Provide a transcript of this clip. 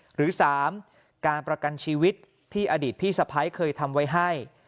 หรือ๓การประกันชีวิตที่อดีตพี่สะพ้ายเคยทำไว้ให้